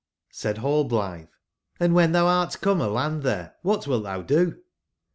*'jj^Said Rallblitbe: Hnd when thou art come aland there.what wilt thou do?"j